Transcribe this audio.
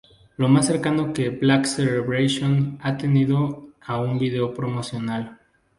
Lo más cercano que "Black Celebration" ha tenido a un vídeo promocional.